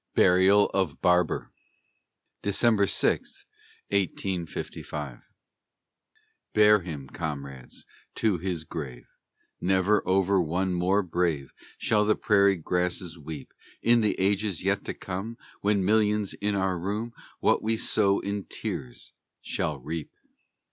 BURIAL OF BARBER [December 6, 1855] Bear him, comrades, to his grave; Never over one more brave Shall the prairie grasses weep, In the ages yet to come, When the millions in our room, What we sow in tears, shall reap.